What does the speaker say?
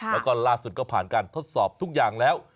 แล้วก็ล่าสุดก็ผ่านการทดสอบทุกอย่างแล้ว